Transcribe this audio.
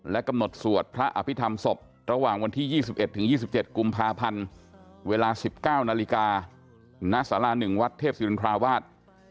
กำหนดสวดพระอภิษฐรรมศพระหว่างวันที่๒๑๒๗กุมภาพันธ์เวลา๑๙นาฬิกาณสารา๑วัดเทพศิรินทราวาส